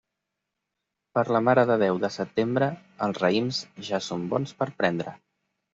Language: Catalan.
Per la Mare de Déu de setembre, els raïms ja són bons per prendre.